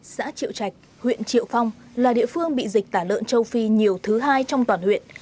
xã triệu trạch huyện triệu phong là địa phương bị dịch tả lợn châu phi nhiều thứ hai trong toàn huyện